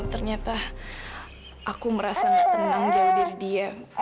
ternyata aku merasa gak tenang jauh dari dia